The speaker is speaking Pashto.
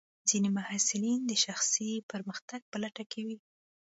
ځینې محصلین د شخصي پرمختګ په لټه کې وي.